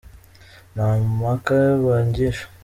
Nta mpaka bangisha